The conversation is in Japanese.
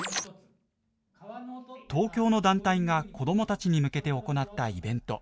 東京の団体が子どもたちに向けて行ったイベント。